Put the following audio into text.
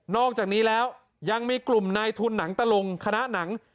อกจากนี้แล้วยังมีกลุ่มนายทุนหนังตะลุงคณะหนัง